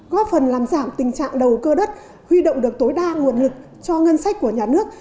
góp phần làm giảm tình trạng đầu cơ đất huy động được tối đa nguồn lực cho ngân sách của nhà nước